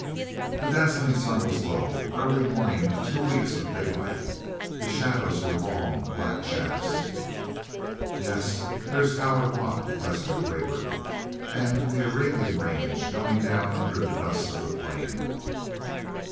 The dazzling sun was low early morning of two weeks of daylight. The shadows were long, black shafts. "Yes there's Tower Rock," Lester quavered. "And the Arabian Range going down under the dust of the plain."